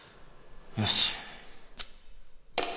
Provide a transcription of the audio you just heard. よし